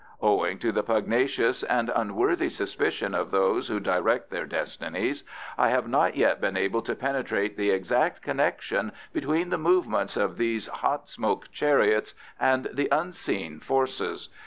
Owing to the pugnacious and unworthy suspicions of those who direct their destinies, I have not yet been able to penetrate the exact connection between the movements of these hot smoke chariots and the Unseen Forces.